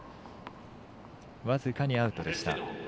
僅かにアウトでした。